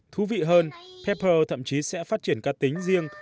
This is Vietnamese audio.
thú vị hơn papper thậm chí sẽ phát triển ca tính riêng